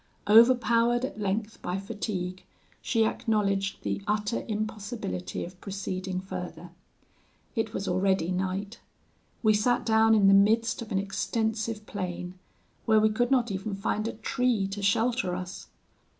Overpowered at length by fatigue, she acknowledged the utter impossibility of proceeding farther. It was already night: we sat down in the midst of an extensive plain, where we could not even find a tree to shelter us.